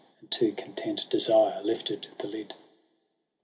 And to content desire lifted the lid.